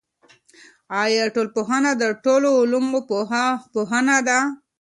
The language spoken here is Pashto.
آیا ټولنپوهنه د ټولو علومو پوهنه ده؟